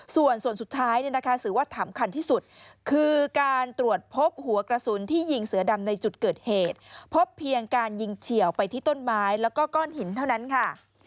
ส่วนสุดท้ายถือว่าสำคัญที่สุดคือการตรวจพบหัวกระสุนที่ยิงเสือดำในจุดเกิดเหตุพบเพียงการยิงเฉียวไปที่ต้นไม้แล้วก็ก้อนหินเท่านั้นค่ะ